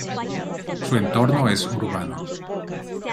Su entorno es urbano.